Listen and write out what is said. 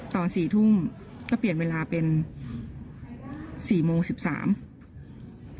ตอน๔ทุ่มก็เปลี่ยนเวลาเป็น๔โมง๑๓นาที